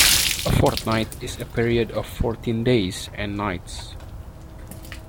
A fortnight is a period of fourteen days and nights